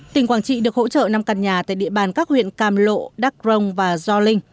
tỉnh quảng trị được hỗ trợ năm căn nhà tại địa bàn các huyện cam lộ đắk rồng và gio linh